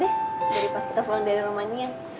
dari pas kita pulang dari romania